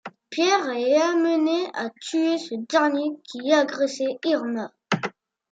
Pierre est amené à tuer ce dernier qui agressait Irma.